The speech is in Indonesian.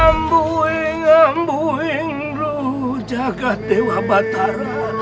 ambu ing ambu ingru jagadewa bahtara